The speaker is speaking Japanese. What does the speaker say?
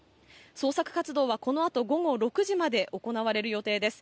捜索活動はこのあと午後６時まで行われる予定です。